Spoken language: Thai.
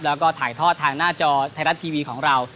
แล้วก็ถ่ายทอดทางหน้าจอไทยรัฐทีวีของเรา